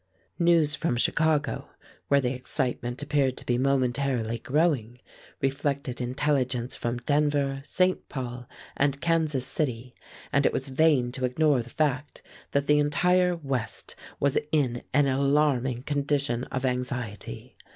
News from Chicago, where the excitement appeared to be momentarily growing, reflected intelligence from Denver, St. Paul, and Kansas City, and it was vain to ignore the fact that the entire West was in an alarming condition of anxiety.